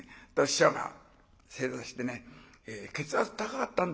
師匠が正座してね血圧高かったんですよ。